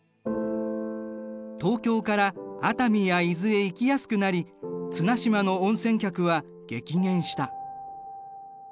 東京から熱海や伊豆へ行きやすくなり綱島の温泉客は激減した。